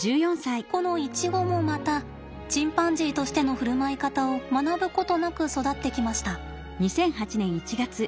このイチゴもまたチンパンジーとしての振る舞い方を学ぶことなく育ってきました。